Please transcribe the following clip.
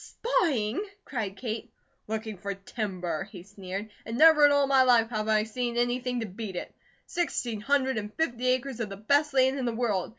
"Spying?" cried Kate. "Looking for timber," he sneered. "And never in all my life have I seen anything to beat it. Sixteen hundred and fifty acres of the best land in the world.